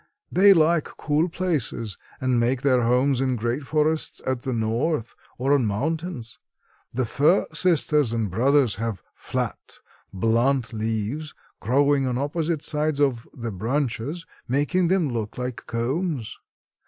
They like cool places, and make their homes in great forests at the north or on mountains. The fir sisters and brothers have flat, blunt leaves growing on opposite sides of the branches, making them look like combs.